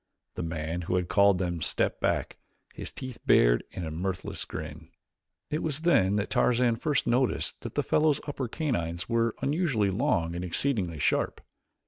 The man who had called them stepped back, his teeth bared in a mirthless grin. It was then that Tarzan first noticed that the fellow's upper canines were unusually long and exceedingly sharp.